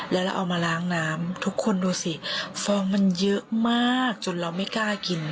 แล้วเราเอามาล้างน้ำทุกคนดูสิฟองมันเยอะมากจนเราไม่กล้ากิน